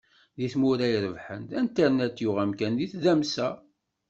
Di tmura irebḥen, internet yuɣ amkan di tdamsa.